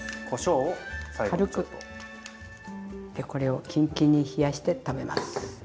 これをキンキンに冷やして食べます。